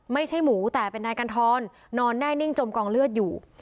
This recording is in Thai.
ไม่ใช่หมูแต่เป็นนายกัณฑรนอนแน่นิ่งจมกองเลือดอยู่